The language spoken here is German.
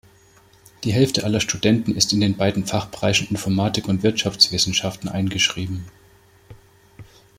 Die Hälfte aller Studenten ist in den beiden Fachbereichen Informatik und Wirtschaftswissenschaften eingeschrieben.